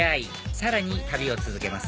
さらに旅を続けます